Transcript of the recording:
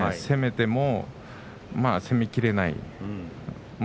攻めても攻めきれない。